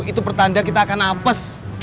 itu pertanda kita akan apes